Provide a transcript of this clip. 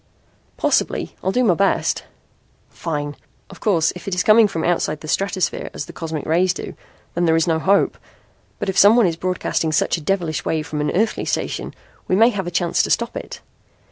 "Possibly. I'll do my best." "Fine! Of course, if it is coming from outside the stratosphere as the cosmic rays do, there is no hope. But if someone is broadcasting such a devilish wave from an earthly station we may have a chance to stop it.